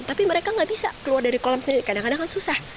tapi mereka nggak bisa keluar dari kolam sendiri kadang kadang kan susah